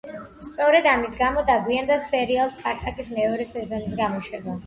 სწორედ ამის გამო დაგვიანდა სერიალ სპარტაკის მეორე სეზონის გამოშვება.